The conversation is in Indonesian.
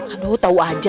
aduh tau aja